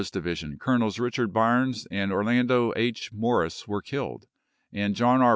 In Barlow's division Colonels Eichard Byrnes and Orlando H. Mor ris were killed, and John R.